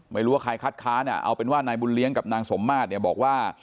ไม่รู้ว่าใครคัดค้านเอาเป็นว่านายบุญเลี้ยงกับนางสมมาตรเนี่ยบอกว่า